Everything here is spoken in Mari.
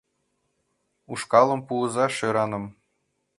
Ушкалым пуыза шӧраным.